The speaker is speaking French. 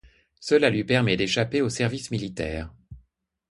Cela lui permet d'échapper au service militaire.